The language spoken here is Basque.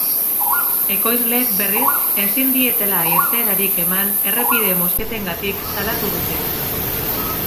Ekoizleek, berriz, ezin dietela irteerarik eman errepide mozketengatik salatu dute.